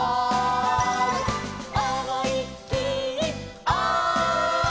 「思いっきりおい！」